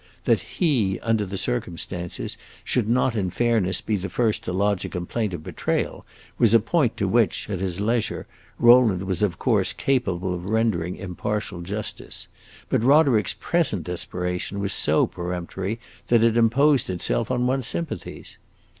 That he, under the circumstances, should not in fairness be the first to lodge a complaint of betrayal was a point to which, at his leisure, Rowland was of course capable of rendering impartial justice; but Roderick's present desperation was so peremptory that it imposed itself on one's sympathies.